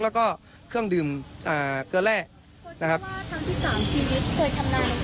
แล้วก็เครื่องดื่มอ่าเกลือแร่นะครับว่าทั้งที่สามชีวิตเคยทำนาย